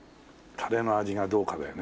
タレの味がどうかだよね。